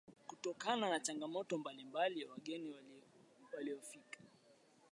kutokana na changamoto mbalimbali Wageni walofika